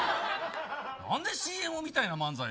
何でＣＭみたいな漫才